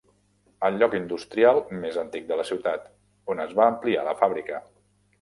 El lloc industrial més antic de la ciutat, on es va ampliar la fàbrica.